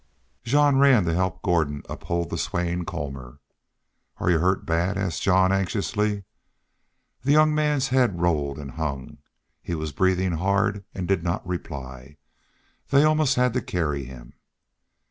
Jean ran to help Gordon uphold the swaying Colmor. "Are you hurt bad?" asked Jean, anxiously. The young man's head rolled and hung. He was breathing hard and did not reply. They had almost to carry him.